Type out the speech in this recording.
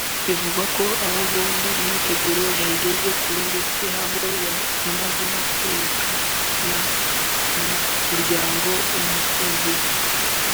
Bivugwa ko aba bombi imyiteguro bayigeze kure ndetse Humble yamaze no kumwerekana mu muryango umukunzi we